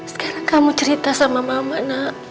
sekarang kamu cerita sama mama nak